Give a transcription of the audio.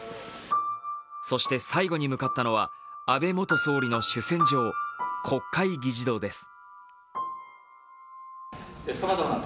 そして最後に向かったのは安倍元総理の主戦場国会議事堂です。